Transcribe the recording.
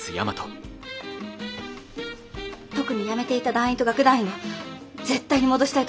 特にやめていった団員と楽団員は絶対に戻したいと思っています。